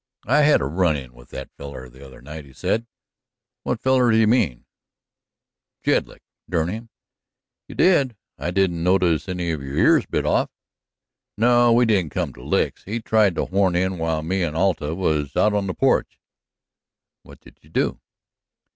"I had a run in with that feller the other night," he said. "What feller do you mean?" "Jedlick, dern him." "You did? I didn't notice any of your ears bit off." "No, we didn't come to licks. He tried to horn in while me and Alta was out on the porch." "What did you do?"